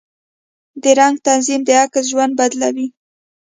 د رنګ تنظیم د عکس ژوند بدلوي.